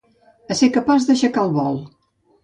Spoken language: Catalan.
Ésser capaç d'aixecar el vol.